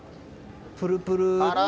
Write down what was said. プルプルと。